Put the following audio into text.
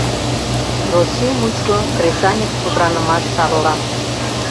Россий мучко кресаньык пудыранымаш шарла.